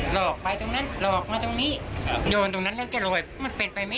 หลอกไปตรงนั้นหลอกมาตรงนี้ครับโยนตรงนั้นแล้วจะลอยมันเป็นไปไหม